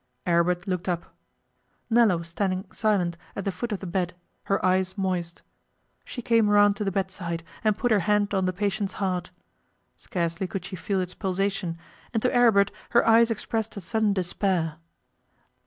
Aribert looked up. Nella was standing silent at the foot of the bed, her eyes moist. She came round to the bedside, and put her hand on the patient's heart. Scarcely could she feel its pulsation, and to Aribert her eyes expressed a sudden despair.